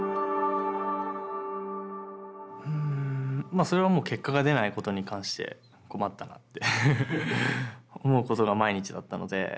まあそれはもう結果が出ないことに関して困ったなって思うことが毎日だったので。